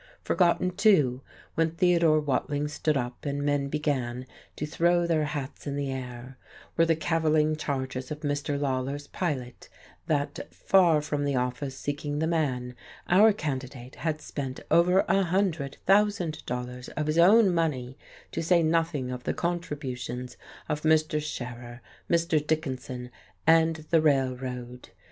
Forgotten, too, when Theodore Watling stood up and men began, to throw their hats in the air, were the cavilling charges of Mr. Lawler's Pilot that, far from the office seeking the man, our candidate had spent over a hundred thousand dollars of his own money, to say nothing of the contributions of Mr. Scherer, Mr. Dickinson and the Railroad!